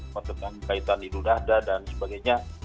maksudnya kaitan idul adha dan sebagainya